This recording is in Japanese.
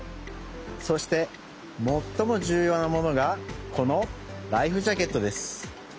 そしてもっともじゅうようなものがこのライフジャケットです。